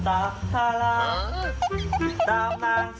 โอ้โอ้โอ้โอ้